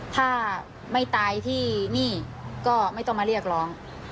ถ้าไม่ตายที่นี่ก็ไม่ต้องมาเรียกร้อง